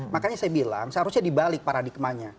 makanya saya bilang seharusnya dibalik paradigmanya